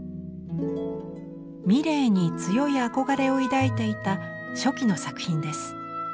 ミレーに強い憧れを抱いていた初期の作品です。